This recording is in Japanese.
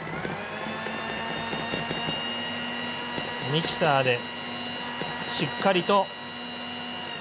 ミキサーでしっかりと。